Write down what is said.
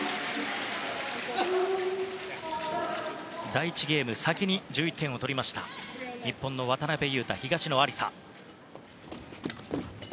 第１ゲーム先に１１点を取りました日本の渡辺勇大、東野有紗。